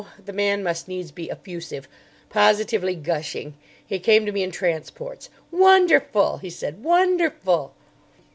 The man must needs be effusive, positively gushing. He came to me in transports. "Wonderful!" he said. "Wonderful!"